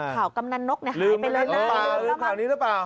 ข่าวกำนักนกเนี่ยหายไปเลยลืมข่าวนี้หรือเปล่า